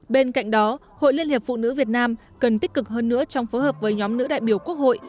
bên cạnh đó hội liên hiệp phụ nữ việt nam cần tích cực hơn nữa trong phối hợp với nhóm nữ đại biểu quốc hội